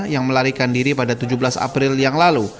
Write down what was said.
yang melarikan diri pada tujuh belas april yang lalu